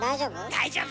大丈夫？